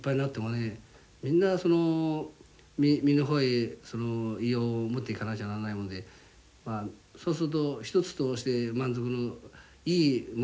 みんな実の方へ栄養を持っていかなくちゃならないのでまあそうすると一つとして満足のいいものが出来ないんですよ。